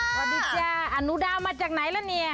สวัสดีจ้าอนุดาวมาจากไหนละเนี่ย